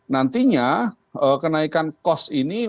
nantinya kenaikan kos ini